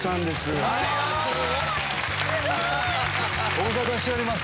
ご無沙汰しております